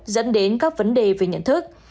dẫn đến các vấn đề về nhận thức